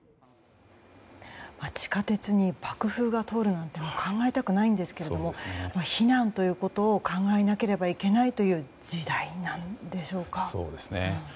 地下鉄に爆風が通るなんて考えたくないんですけども避難ということを考えなければいけないという時代なんでしょうか。